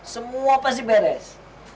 semua pasti beres